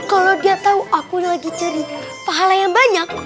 kalau dia tahu aku lagi cari pahala yang banyak